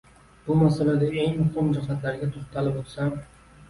Bu masalada eng muhim jihatlarga to‘xtalib o‘tsam.